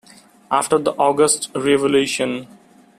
After the August Revolution.